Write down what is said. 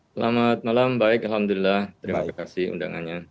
selamat malam baik alhamdulillah terima kasih undangannya